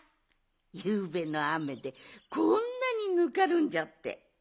ゆうべのあめでこんなにぬかるんじゃって。